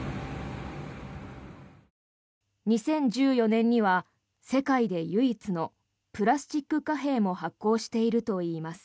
２０１４年には世界で唯一のプラスチック貨幣も発行しているといいます。